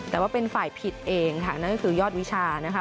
แต่ว่าเป็นฝ่ายผิดเองค่ะนั่นก็คือยอดวิชานะคะ